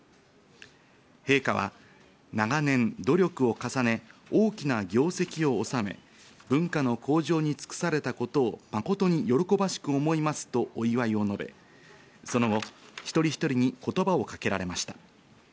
陛下は、長年努力を重ね、大きな業績を収め、文化の向上に尽くされたことを誠に喜ばしく思いますとお祝いを述べ、その後、一人一人に言葉をかけられました。